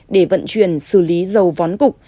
để vận chuyển xử lý dầu vón cục